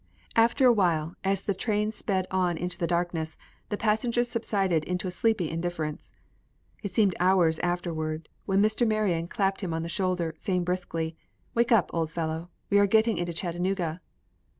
After a while, as the train sped on into the darkness, the passengers subsided in to sleepy indifference. It seemed hours afterward when Mr. Marion clapped him on the shoulder, saying briskly, "Wake up, old fellow, we are getting into Chattanooga."